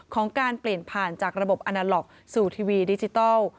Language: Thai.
การเปลี่ยนผ่านจากระบบอนาล็อกสู่ทีวีดิจิทัล